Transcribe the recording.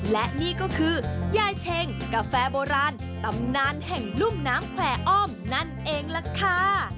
และนี่ก็คือยายเชงกาแฟโบราณตำนานแห่งรุ่มน้ำแขว่อ้อมนั่นเองล่ะค่ะ